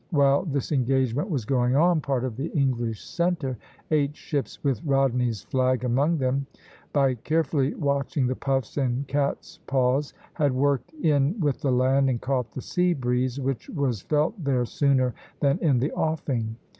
While this engagement was going on, part of the English centre, eight ships with Rodney's flag among them (Position I., a), by carefully watching the puffs and cat's paws, had worked in with the land and caught the sea breeze, which was felt there sooner than in the offing.